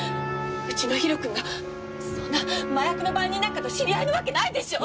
うちのひろ君がそんな麻薬の売人なんかと知り合いなわけないでしょ！